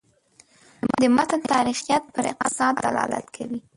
د متن تاریخیت پر اقتضا دلالت کوي.